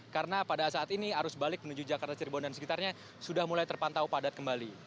karena pada saat ini arus balik menuju jakarta cirebon dan sekitarnya sudah mulai terpantau padat kembali